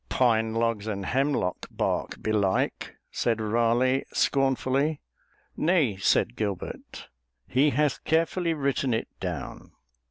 "Pine logs and hemlock bark, belike," said Raleigh, scornfully. "Nay," said Gilbert, "he hath carefully written it down.